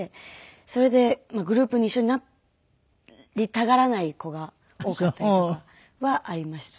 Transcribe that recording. それでグループに一緒になりたがらない子が多かったりとかはありましたね。